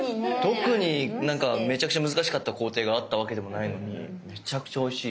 特になんかめちゃくちゃ難しかった工程があったわけでもないのにめちゃくちゃおいしい。